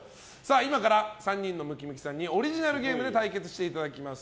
今から３人のムキムキさんにオリジナルゲームで対決していただきます。